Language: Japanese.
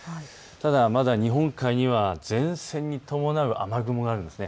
ただ、まだ日本海には前線に伴う雨雲があるんです。